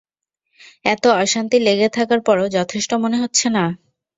এতো অশান্তি লেগে থাকার পরও যথেষ্ট মনে হচ্ছে না?